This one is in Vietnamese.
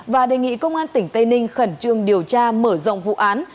và đề nghị công an tỉnh tây ninh khẩn trương điều tra mở rộng vụ án